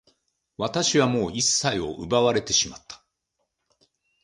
私はもう一切を奪われてしまった。